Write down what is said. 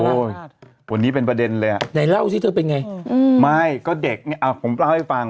วันนี้เป็นประเด็นเลยนะฮะไม่ก็เด็กอ่ะผมเล่าให้ฟัง